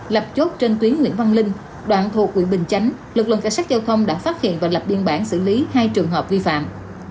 lập chốt trên tuyến nguyễn văn linh đoạn thuộc quyện bình chánh lực lượng cảnh sát giao thông đã phát hiện và lập biên bản xử lý hai trường hợp vi phạm